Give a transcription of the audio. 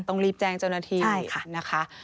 ต้องรีบแจงเจ้าหน้าทีนะคะ